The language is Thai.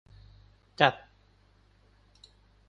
จัด